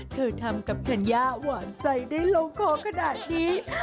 เธอทำกับธัญญาหวานใจได้ลงคอขนาดนี้